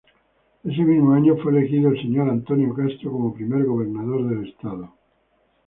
Ese mismo año, fue elegido el Sr. Antonio Castro como primer Gobernador del estado.